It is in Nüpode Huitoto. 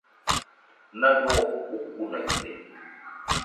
Naɨio ukunaite